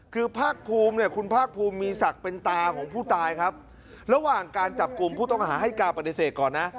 คือภาคภูมิเนี่ยคุณภาคภูมิมีศักดิ์เป็นตาของผู้ตายครับระหว่างการจับกลุ่มผู้ต้องหาให้การปฏิเสธก่อนนะ